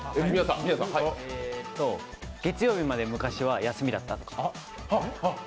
月曜日まで昔は休みだった。